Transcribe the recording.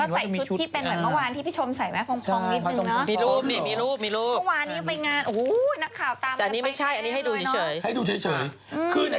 ก็ใส่ชุดที่เป็นเหมือนเมื่อวาน